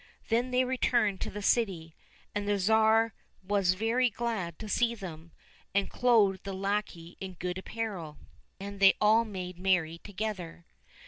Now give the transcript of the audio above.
Then they returned to the city, and the Tsar was very glad to see them, and clothed the lackey in goodly apparel, and they all made merry together.